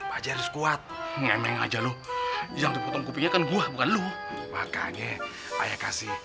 aja harus kuat ngameng aja lu jangan potong kupingnya kan gua bukan lu makanya ayah kasih